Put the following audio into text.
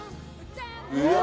うわ！